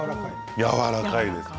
やわらかいです。